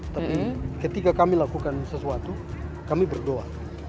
tapi ketika kami lakukan sesuatu kami berdoa